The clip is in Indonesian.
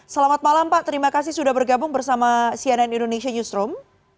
selamat malam pak terima kasih sudah bergabung bersama cnn indonesia newsroom